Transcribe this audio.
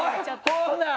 ホーナー！